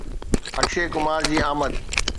اڪشي ڪمار جي آمد